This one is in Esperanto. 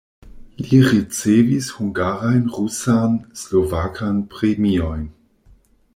Li ricevis hungarajn rusan, slovakan premiojn.